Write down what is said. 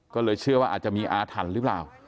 ก็เลยเชื่อว่าอาจจะมีอาถรรพ์หรือเปล่า